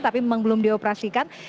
tapi memang belum dioperasikan